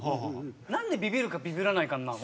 なんでビビるかビビらないかになるの？